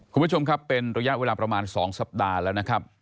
คุณผู้ชมครับเป็นระยะเวลาประมาณ๒สัปดาห์แล้วนะครับ